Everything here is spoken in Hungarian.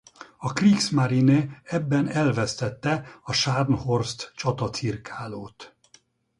A Kriegsmarine ebben elvesztette a Scharnhorst csatacirkálót.